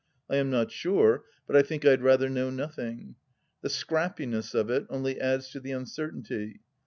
I am not sure, but I think I'd rather know nothing. The scrappiness of it only adds to the uncertainty.